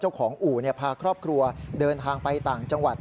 ของอู่พาครอบครัวเดินทางไปต่างจังหวัด